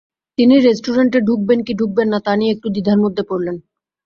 তিনি রেস্টুরেন্টে ঢুকবেন কি ঢুকবেন না তা নিয়ে একটু দ্বিধার মধ্যে পড়লেন।